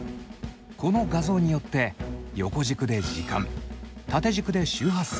この画像によって横軸で時間縦軸で周波数色で大きさ。